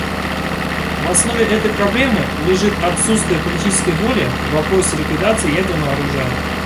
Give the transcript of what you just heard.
В основе этой проблемы лежит отсутствие политической воли в вопросе ликвидации ядерного оружия.